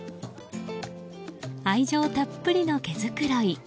愛情たっぷりの毛づくろい。